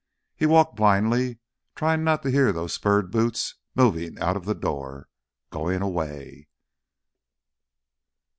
He walked blindly, trying not to hear those spurred boots moving out of the door ... going away....